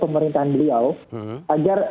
pemerintahan beliau agar